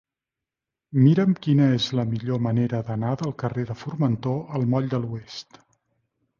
Mira'm quina és la millor manera d'anar del carrer de Formentor al moll de l'Oest.